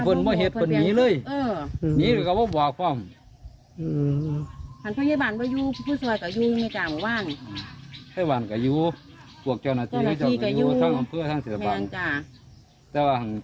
ไปฟังกันนะ